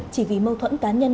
chỉ vì mâu thuẫn cá nhân